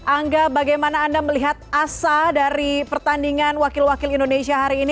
angga bagaimana anda melihat asa dari pertandingan wakil wakil indonesia hari ini